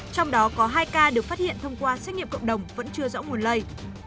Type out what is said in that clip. trong đó có hai ca được phát hiện thông qua xét nghiệm cộng đồng vẫn chưa rõ nguồn lây